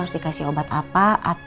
nah kapal assessments apa